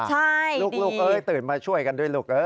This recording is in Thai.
ใช่ดีลูกตื่นมาช่วยกันด้วยลูก